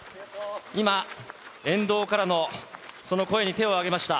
今、沿道からのその声に手を挙げました。